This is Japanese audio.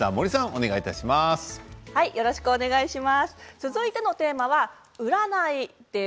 続いてのテーマは占いです。